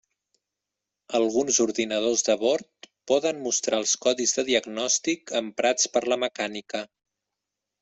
Alguns ordinadors de bord poden mostrar els codis de diagnòstic emprats per la mecànica.